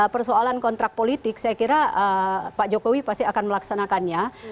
persoalan kontrak politik saya kira pak jokowi pasti akan melaksanakannya